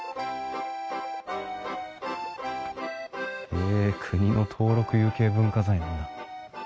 へえ国の登録有形文化財なんだ。